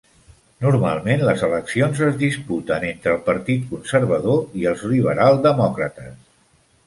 Normalment les eleccions es disputen entre el Partit Conservador i els Liberal Demòcrates.